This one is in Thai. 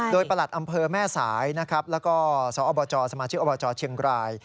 โดยประหลัดอำเภอแม่สายแล้วก็สมอบเชียงกราย